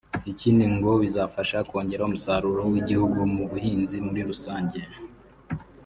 Ikindi ngo bizafasha kongera umusaruro w’igihugu mu buhinzi muri rusange